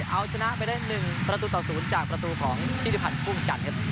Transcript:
เอาชนะไปได้หนึ่งประตูต่อศูนย์จากประตูของที่ที่ผ่านภูมิจัดครับ